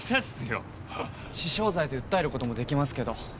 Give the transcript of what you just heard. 致傷罪で訴えることもできますけど。